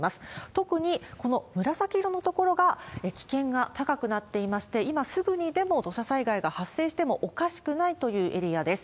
特にこの紫色の所が、危険が高くなっていまして、今すぐにでも土砂災害が発生してもおかしくないというエリアです。